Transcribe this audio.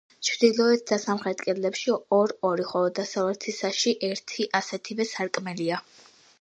ჩრდილოეთ და სამხრეთ კედლებში ორ-ორი, ხოლო დასავლეთისაში ერთი ასეთივე სარკმელია.